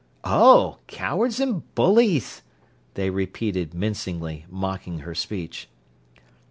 "Oh, cowards and bullies!" they repeated mincingly, mocking her speech.